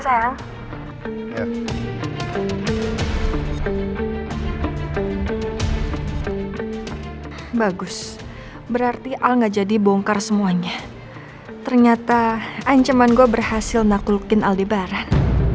sayang bagus berarti al nggak jadi bongkar semuanya ternyata ancaman gua berhasil naklukin aldebaran